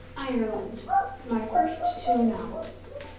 IRELAND MY FIRST TWO NOVELS.